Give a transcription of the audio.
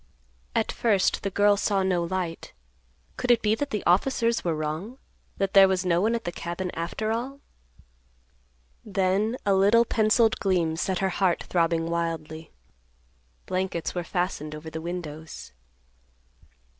At first the girl saw no light. Could it be that the officers were wrong? that there was no one at the cabin after all? Then a little penciled gleam set her heart throbbing wildly. Blankets were fastened over the windows.